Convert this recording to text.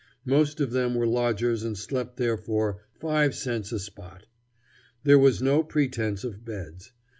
Most of them were lodgers and slept there for "five cents a spot." There was no pretence of beds.